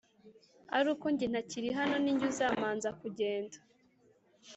aruko jye ntakirihano nijye uzamanza kugenda